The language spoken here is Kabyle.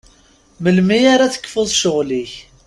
Melmi ara tekfuḍ ccɣel-ik?